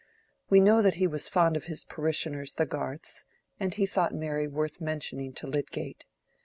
We know that he was fond of his parishioners the Garths, and had thought Mary worth mentioning to Lydgate.